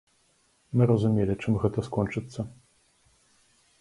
Мы разумелі, чым гэта скончыцца.